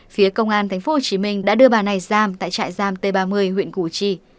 phía công an tp hcm đã đưa bà này giam tại trại giam t ba mươi huyện củ chi